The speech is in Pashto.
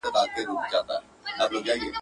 حقیقت به درته وایم که چینه د ځوانۍ راکړي.